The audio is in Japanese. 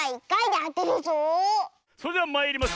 それではまいります！